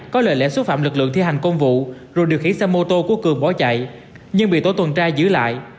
có lời lẽ xúc phạm lực lượng thi hành công vụ rồi điều khiển xe mô tô của cường bỏ chạy nhưng bị tổ tuần tra giữ lại